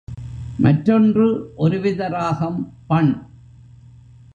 மற்றொன்று ஒருவித ராகம் பண்.